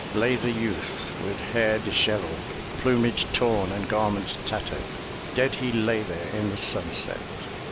Lay the youth, with hair dishevelled, Plimiage torn, and garments tattered; Dead he lay there in the sunset.